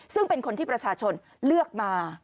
ซึ่งเป็นคนที่ประชาชนเลือกมา